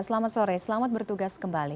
selamat sore selamat bertugas kembali